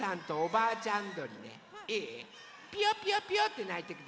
ピヨピヨピヨってないてください。